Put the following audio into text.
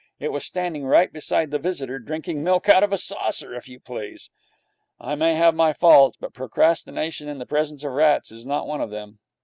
It was standing right beside the visitor, drinking milk out of a saucer, if you please! I may have my faults, but procrastination in the presence of rats is not one of them.